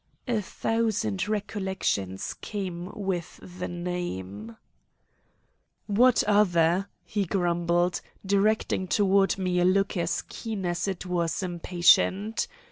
A thousand recollections came with the name. "What other?" he grumbled, directing toward me a look as keen as it was impatient.